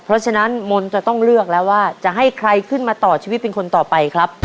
เพราะฉะนั้นมนต์จะต้องเลือกแล้วว่าจะให้ใครขึ้นมาต่อชีวิตเป็นคนต่อไปครับ